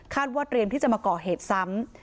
ว่าเตรียมที่จะมาก่อเหตุซ้ำ